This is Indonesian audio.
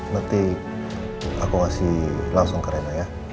nanti aku ngasih langsung ke rena ya